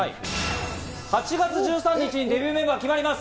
８月１３日、デビューメンバーが決まります！